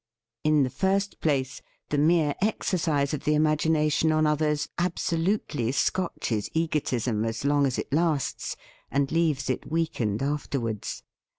In the first place, THE FEAST OF ST FRIEND the mere exercise of the imagination on others absolutely scotches egotism as long as it lasts, and leaves it weakened afterwards.